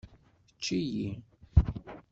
Ečč-iyi.